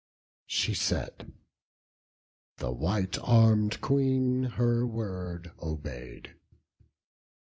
She said: the white arm'd Queen her word obey'd.